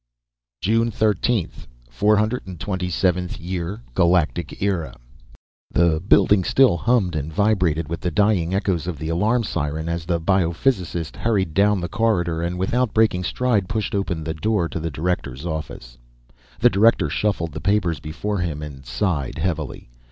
_JUNE 13, 427th Year GALACTIC ERA The building still hummed and vibrated with the dying echoes of the alarm siren as the biophysicist hurried down the corridor, and without breaking stride, pushed open the door to the Director's office. The Director shuffled the papers before him and sighed heavily.